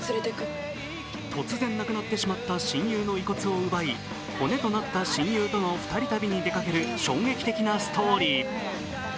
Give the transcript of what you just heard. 突然亡くなってしまった親友の遺骨を奪い、骨となった親友との２人旅に出かける衝撃的なストーリー。